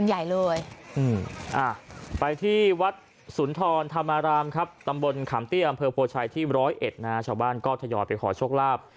เฉียนขำเตี้ยอัมเภอโภชัยที่๑๐๑นะชาวบ้านก็ทะยอดไปขอชกลาบ